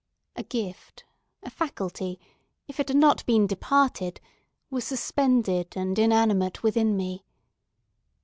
A gift, a faculty, if it had not been departed, was suspended and inanimate within me.